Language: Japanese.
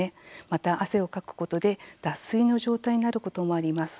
また、汗をかくことで脱水の状態になることもあります。